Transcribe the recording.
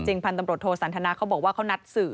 จริงพันธุบัตรโทษสันทนัดเขาบอกว่าเขานัดสื่อ